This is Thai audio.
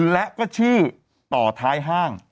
และก็ชื่อต่อท้ายห้าง